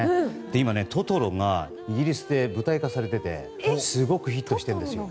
今トトロがイギリスで舞台化されてすごくヒットしているんです。